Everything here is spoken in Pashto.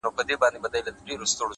ورور مي دی هغه دی ما خپله وژني،